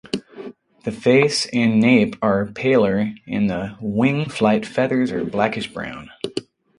The face and nape are paler and the wing flight feathers are blackish-brown.